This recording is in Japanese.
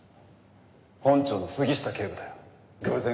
本庁の杉下警部だよ。